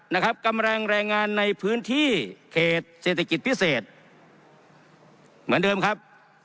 นะครับกำลังแรงงานในพื้นที่เขตเศรษฐกิจพิเศษเหมือนเดิมครับ